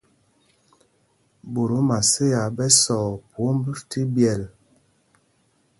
Ɓot o Maséa ɓɛ sɔɔ phwómb tí ɓyɛ́l.